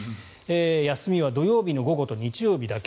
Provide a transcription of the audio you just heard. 休みは土曜日の午後と日曜日だけ。